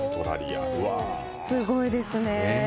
すごいですね。